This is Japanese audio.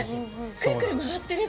くるくる回ってるやつ。